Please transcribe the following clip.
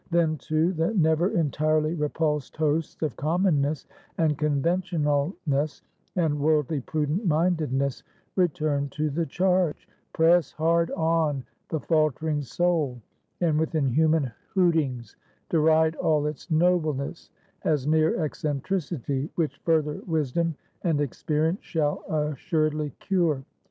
Then, too, the never entirely repulsed hosts of Commonness, and Conventionalness, and Worldly Prudent mindedness return to the charge; press hard on the faltering soul; and with inhuman hootings deride all its nobleness as mere eccentricity, which further wisdom and experience shall assuredly cure.